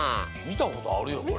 みたことあるよね。